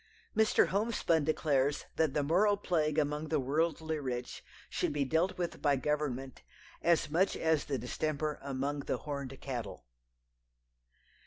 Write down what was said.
Mr. Homespun declares that the moral plague among the worldly rich should be dealt with by Government "as much as the distemper among the horned cattle."